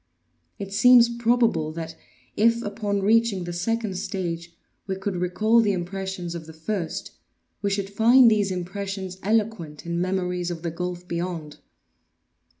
It seems probable that if, upon reaching the second stage, we could recall the impressions of the first, we should find these impressions eloquent in memories of the gulf beyond.